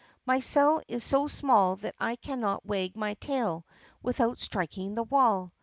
My cell is so small that I cannot wag my tail without striking the wall.